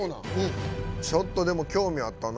ちょっとでもきょうみあったな